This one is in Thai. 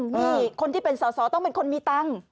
นี่คนที่เป็นสอสอต้องเป็นคนมีตังค์